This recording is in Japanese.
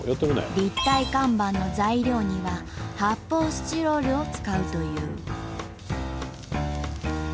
立体看板の材料には発泡スチロールを使うという。